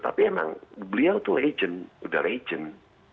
tapi emang beliau tuh udah legend